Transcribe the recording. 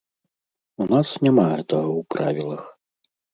У нас няма гэтага ў правілах.